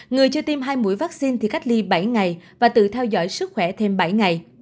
người chưa tiêm hai mũi vaccine thì cách ly bảy ngày và tự theo dõi sức khỏe thêm bảy ngày